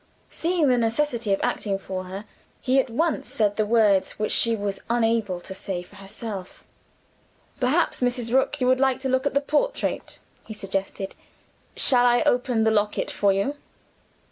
Seeing the necessity of acting for her, he at once said the words which she was unable to say for herself. "Perhaps, Mrs. Rook, you would like to look at the portrait?" he suggested. "Shall I open the locket for you?"